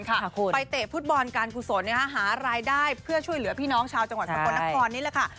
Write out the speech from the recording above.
ไปเตะฟุตบอลการกุศลนะฮะหารายได้เพื่อช่วยเหลือพี่น้องชาวจังหวัดสกลนครนี่แหละค่ะ